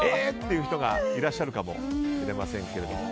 いう人がいらっしゃるかもしれません。